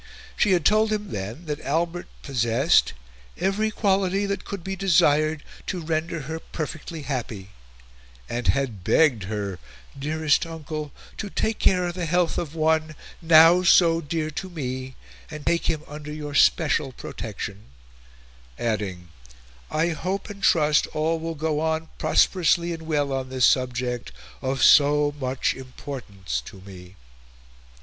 She had told him then that Albert possessed "every quality that could be desired to render her perfectly happy," and had begged her "dearest uncle to take care of the health of one, now so dear to me, and to take him under your special protection," adding, "I hope and trust all will go on prosperously and well on this subject of so much importance to me."